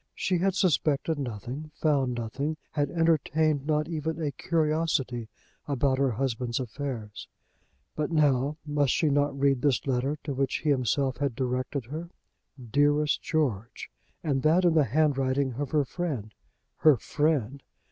She had suspected nothing, found nothing, had entertained not even any curiosity about her husband's affairs. But now must she not read this letter to which he himself had directed her? Dearest George! And that in the handwriting of her friend, her friend!